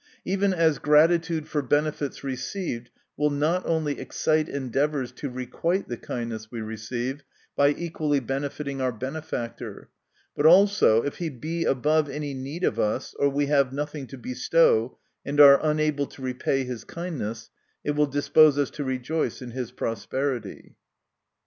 Even as gratitude for benefits received will not only excite endeavors to requite the kindness we receive, by equally benefiting our benefactor, but also if he be above any need of us, or we have nothing to bestow, and are unable to repay his kindness, it will dispose us to rejoice in his prosperity.